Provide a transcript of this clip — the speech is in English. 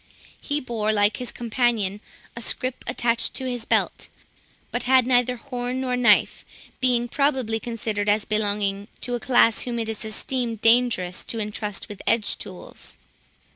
He bore, like his companion, a scrip, attached to his belt, but had neither horn nor knife, being probably considered as belonging to a class whom it is esteemed dangerous to intrust with edge tools.